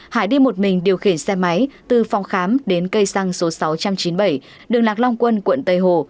hải đi một mình điều khiển xe máy từ phòng khám đến cây xăng số sáu trăm chín mươi bảy đường lạc long quân quận tây hồ